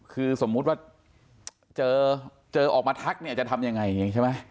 คือสมมุติว่าเจอออกมาทักเนี้ยจะทำยังไงใช่ไหม